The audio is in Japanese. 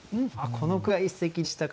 この句が一席でしたか。